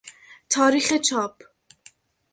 تاریخ چاپ